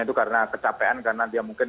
itu karena kecapean karena dia mungkin